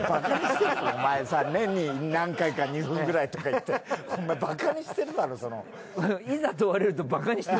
お前さ年に何回か２分くらいとかいってバカにしてるだろその。